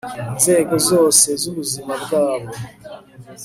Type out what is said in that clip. mu nzego zose z'ubuzima bwabo